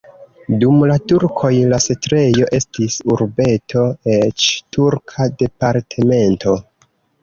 Dum la turkoj la setlejo estis urbeto, eĉ turka departemento.